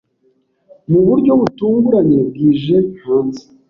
Mu buryo butunguranye, bwije hanze.